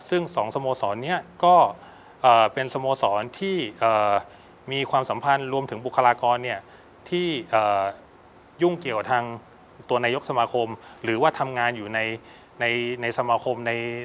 ซึ่ง๒สโมสรนี้ก็เป็นสโมสรที่มีความสัมพันธ์รวมถึงบุคลากรที่ยุ่งเกี่ยวกับทางตัวนายกสมาคมหรือว่าทำงานอยู่ในสมาคม